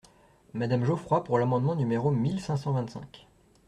Madame Geoffroy, pour l’amendement numéro mille cinq cent vingt-cinq.